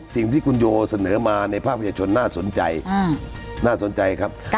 ๒สิ่งที่คุณโยเสนอมาในภาคประเภทชนน่าสนใจ